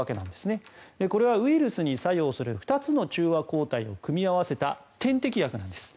これはウイルスに作用する２つの中和抗体を組み合わせた点滴薬なんです。